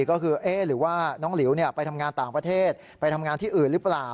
ก็คือเอ๊ะหรือว่าน้องหลิวไปทำงานต่างประเทศไปทำงานที่อื่นหรือเปล่า